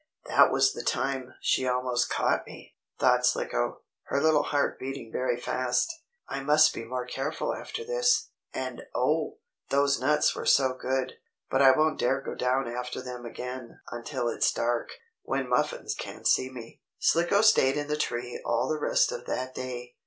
That was the time she almost caught me!" thought Slicko, her little heart beating very fast. "I must be more careful after this. And oh! those nuts were so good. But I won't dare go down after them again until it's dark, when Muffins can't see me." Slicko stayed in the tree all the rest of that day.